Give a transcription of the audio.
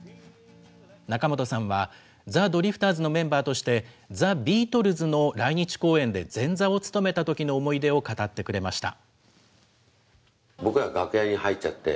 仲本さんは、ザ・ドリフターズのメンバーとして、ザ・ビートルズの来日公演で前座を務めたときの思い出を語ってくれました。